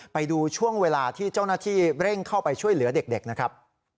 ไปดูช่วงเวลาที่เจ้าหน้าที่เร่งเข้าไปช่วยเหลือเด็กนะครับ